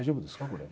これ。